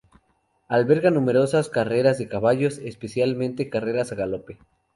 Alberga numerosas carreras de caballos, especialmente carreras a galope.